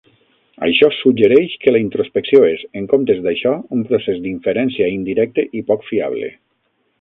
Això suggereix que la introspecció és, en comptes d'això, un procés d'inferència indirecte i poc fiable.